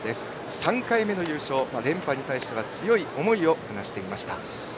３回目の優勝、連覇に対しては強い思いを話していました。